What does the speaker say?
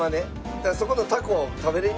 だからそこのタコを食べれんね